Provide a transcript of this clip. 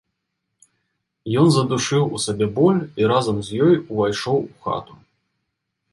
Ён задушыў у сабе боль і разам з ёю ўвайшоў у хату.